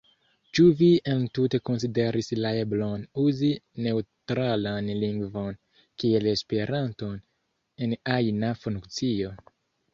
Ĉu vi entute konsideris la eblon uzi neŭtralan lingvon, kiel Esperanton, en ajna funkcio?